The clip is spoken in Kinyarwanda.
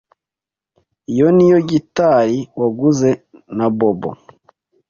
Iyo niyo gitari waguze na Bobo?